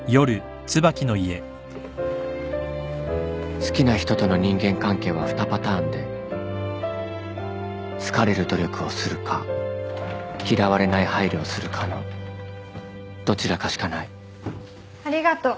好きな人との人間関係は２パターンで好かれる努力をするか嫌われない配慮をするかのどちらかしかないありがとう。